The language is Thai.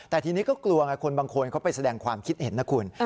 แต่ทีนี้ก็กลัวไงคนบางคนเขาไปแสดงความคิดเห็นนะคุณ